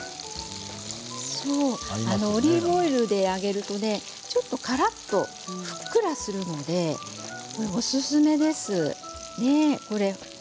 オリーブオイルで揚げるとちょっとカラッとふっくらするのでおすすめですよ。